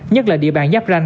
nhất là địa bàn giáp ranh